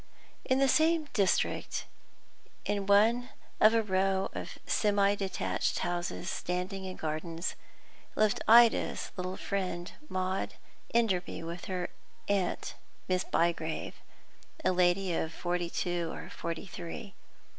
In the same district, in one of a row of semi detached houses standing in gardens, lived Ida's little friend, Maud Enderby, with her aunt, Miss Bygrave, a lady of forty two or forty three.